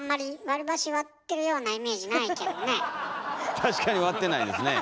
確かに割ってないですね。